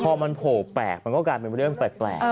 พอมันโผล่แปลกมันก็กลายเป็นเรื่องแปลก